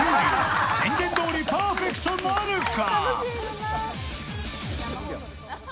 宣言どおりパーフェクトなるか。